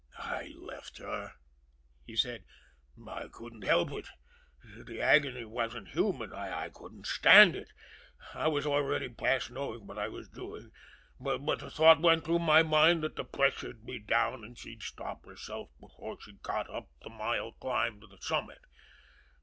"I left her," he said. "I couldn't help it. The agony wasn't human I couldn't stand it. I was already past knowing what I was doing; but the thought went through my mind that the pressure'd be down, and she'd stop herself before she got up the mile climb to the summit.